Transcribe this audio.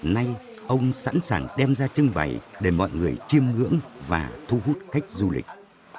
nay ông sẵn sàng đem ra trưng bày để mọi người chiêm ngưỡng và thu hút khách du lịch